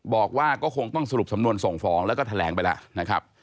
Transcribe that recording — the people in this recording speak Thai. บอกว่าก็คงต้องสรุปสำนวนส่งฟ้องแล้วก็แถลงไปแล้วนะครับ